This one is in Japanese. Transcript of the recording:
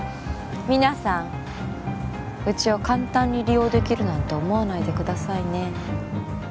皆さんうちを簡単に利用できるなんて思わないでくださいね。